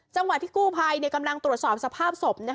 จังหวะที่กู้ภัยกำลังตรวจสอบสภาพศพ